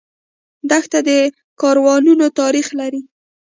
دښته د کاروانونو تاریخ لري.